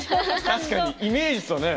確かにイメージとね。